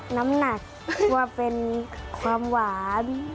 น้ำหนักว่าเป็นความหวาน